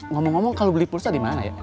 ngomong ngomong kalau beli pulsa dimana ya